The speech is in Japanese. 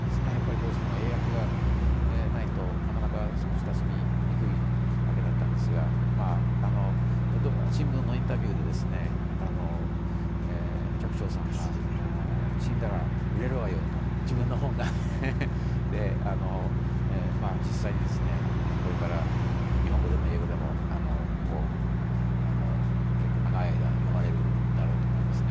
どうしても英訳がないとなかなか親しみにくいわけだったんですが、新聞のインタビューで、寂聴さんが死んだら売れるわよと、自分の本がね、実際にこれから日本語でも英語でも結構長い間、読まれるだろうと思いますね。